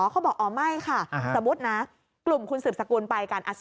เขาบอกอ๋อไม่ค่ะสมมุตินะกลุ่มคุณสืบสกุลไปกัน